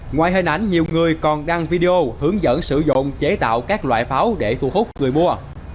ngoài hình ảnh nhiều người còn đăng video hướng dẫn sử dụng chế tạo các loại pháo để thu hút người mua